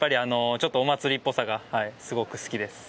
ちょっとお祭りっぽさがすごく好きです。